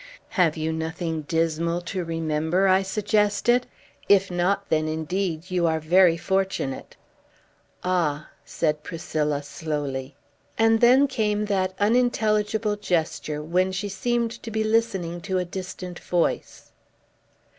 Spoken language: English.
"Have you nothing dismal to remember?" I suggested. "If not, then, indeed, you are very fortunate!" "Ah!" said Priscilla slowly. And then came that unintelligible gesture, when she seemed to be listening to a distant voice.